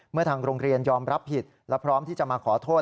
ทางโรงเรียนยอมรับผิดและพร้อมที่จะมาขอโทษ